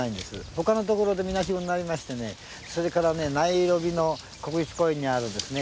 他のところでみなしごになりましてそれからナイロビの国立公園にあるですね